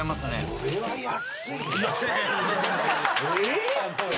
これは安い。